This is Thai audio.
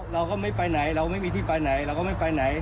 เราก็ไม่ไปไหนเราไม่มีที่ไปไหนเราก็ไม่ไปไหน